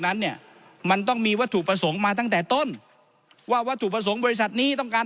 นั้นเนี่ยมันต้องมีวัตถุประสงค์มาตั้งแต่ต้นว่าวัตถุประสงค์บริษัทนี้ต้องการ